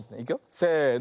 せの。